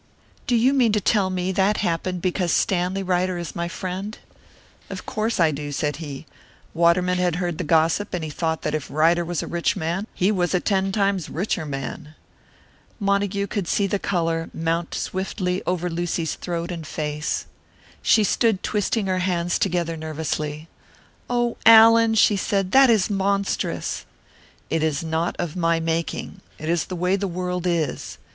"Do you mean to tell me that happened to me because Stanley Ryder is my friend?" "Of course I do," said he. "Waterman had heard the gossip, and he thought that if Ryder was a rich man, he was a ten times richer man." Montague could see the colour mount swiftly over Lucy's throat and face. She stood twisting her hands together nervously. "Oh, Allan!" she said. "That is monstrous!" "It is not of my making. It is the way the world is.